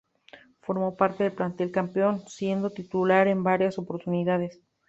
Formó parte del plantel campeón, siendo titular en varias oportunidades.